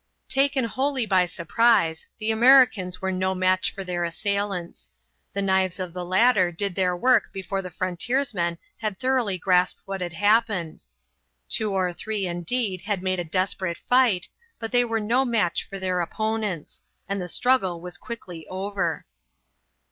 Taken wholly by surprise, the Americans were no match for their assailants. The knives of the latter did their work before the frontiersmen had thoroughly grasped what had happened. Two or three, indeed, had made a desperate fight, but they were no match for their opponents, and the struggle was quickly over.